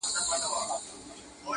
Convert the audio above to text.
له سرو خولیو لاندي اوس سرونو سور واخیست